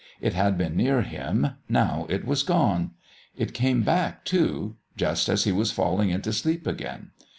It had been near him, now it was gone. It came back, too just as he was falling into sleep again.